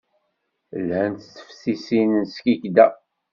Lhant teftisin n Skikda.